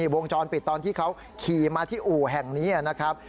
วงจรปิดตอนที่เขาขี่มาที่อู่แห่งนี้นะครับ